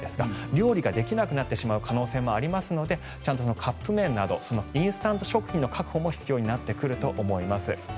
料理ができなくなってしまう可能性もありますのでちゃんとカップ麺などインスタント食品の確保も必要になってくると思います。